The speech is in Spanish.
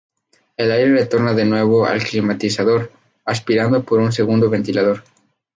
El aire retorna de nuevo al climatizador aspirado por un segundo ventilador.